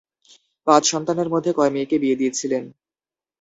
পাঁচ সন্তানের মধ্যে কয় মেয়েকে বিয়ে দিয়েছেন?